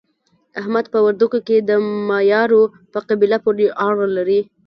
احمد په وردګو کې د مایارو په قبیله پورې اړه لري.